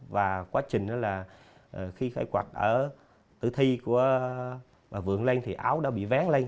và quá trình đó là khi khởi quạt ở tử thi của bà vượng lên thì áo đã bị vén lên